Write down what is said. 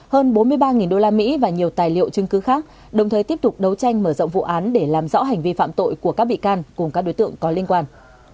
hơn bốn mươi ba usd và nhiều tài liệu chứng cứ khác đồng thời tiếp tục đấu tranh mở rộng vụ án để làm rõ hành vi phạm tội của các bị can cùng các đối tượng có liên quan